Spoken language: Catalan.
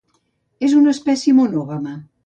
És una espècie monògama.